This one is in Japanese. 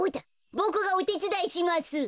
ボクがおてつだいします。